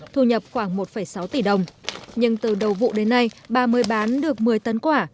thu nhập khoảng một sáu tỷ đồng nhưng từ đầu vụ đến nay bà mới bán được một mươi tấn quả